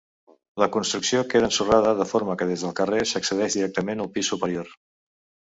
La construcció queda ensorrada, de forma que des del carrer s'accedeix directament al pis superior.